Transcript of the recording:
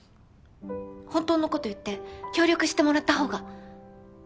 本当のこと言って協力してもらったほうが。